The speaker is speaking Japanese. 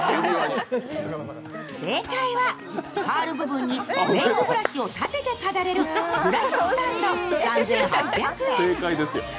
正解はパール部分にメークブラシを立てて飾れる、ブラシスタンド３８００円。